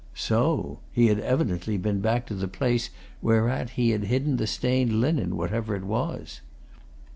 So he had evidently been back to the place whereat he had hidden the stained linen, whatever it was?